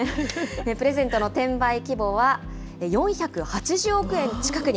プレゼントの転売規模は４８０億